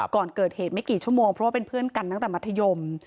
ก่อนเกิดเหตุไม่กี่ชั่วโมงเพราะว่าเป็นเพื่อนกันตั้งแต่มัธยม